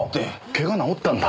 怪我治ったんだ。